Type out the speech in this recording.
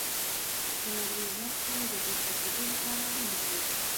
د مګنیزیم سیم د دې تجربې لپاره اړین دی.